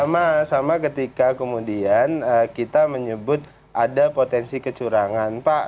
mas sama ketika kemudian kita menyebut ada potensi kecurangan